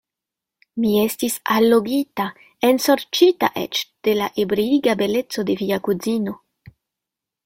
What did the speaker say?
Mi estis allogita, ensorĉita eĉ de la ebriiga beleco de via kuzino.